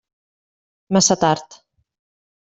Massa tard.